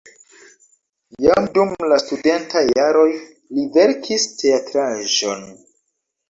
Jam dum la studentaj jaroj li verkis teatraĵon.